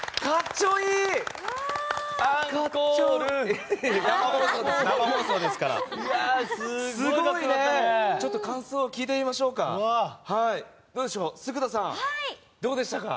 ちょっと感想を聞いてみましょうか。